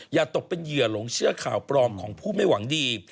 อย่าตกเป็นเหยื่อหลงเชื่อข่าวปลอมของผู้ไม่หวังดี